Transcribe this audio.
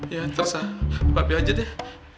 ya terus ah bapak aja deh